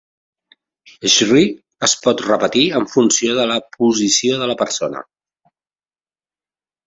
"Shri" es pot repetir en funció de la posició de la persona.